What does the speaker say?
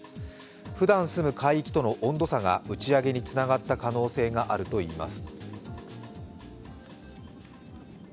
ふだん住む海域との温度差が打ち上げにつながった可能性があるといいます。